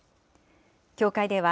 協会では、